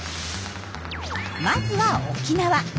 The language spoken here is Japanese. まずは沖縄。